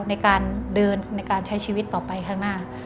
ในการเดินในการใช้ชีวิตต่อไปข้างหน้า